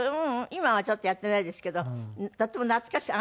今はちょっとやってないですけどとっても懐かしい。